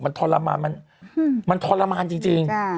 มันทรมานมันทรมานจริง